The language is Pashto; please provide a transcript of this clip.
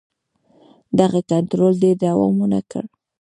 دغه کنټرول ډېر دوام ونه کړ.